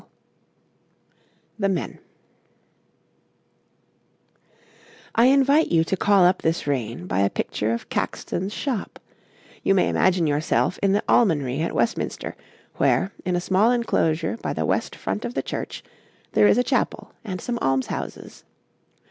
}] I invite you to call up this reign by a picture of Caxton's shop: you may imagine yourself in the almonry at Westminster, where, in a small enclosure by the west front of the church, there is a chapel and some almshouses.